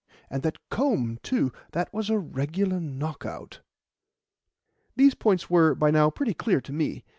And that comb, too, that was a regular knock out." These points were, by now, pretty clear to me.